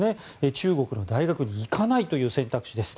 中国の大学に行かないという選択肢です。